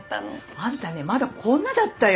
あんたねまだこんなだったよ。